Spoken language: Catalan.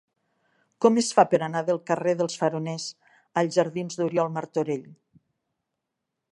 Com es fa per anar del carrer dels Faroners als jardins d'Oriol Martorell?